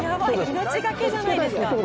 命懸けじゃないですか。